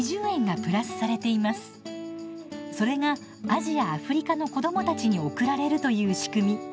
それがアジア・アフリカの子どもたちに送られるという仕組み。